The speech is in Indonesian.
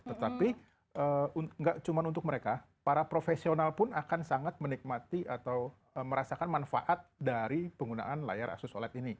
tetapi nggak cuma untuk mereka para profesional pun akan sangat menikmati atau merasakan manfaat dari penggunaan layar asus oled ini